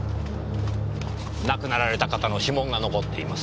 亡くなられた方の指紋が残っています。